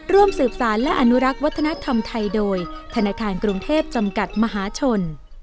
ร่วมสืบสารและอนุรักษ์วัฒนธรรมไทยโดยธนาคารกรุงเทพจำกัดมหาชน